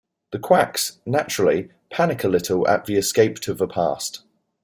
The Qax, naturally, panic a little at the escape to the past.